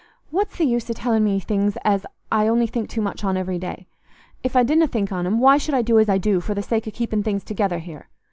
What's th' use o' telling me things as I only think too much on every day? If I didna think on 'em, why should I do as I do, for the sake o' keeping things together here?